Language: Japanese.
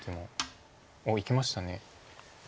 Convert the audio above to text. おおいきました。